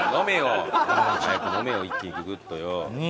早く飲めよ一気にググッとよ。